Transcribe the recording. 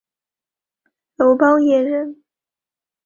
楼邦彦人。